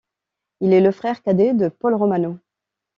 Il est le frère cadet de Paul Romano.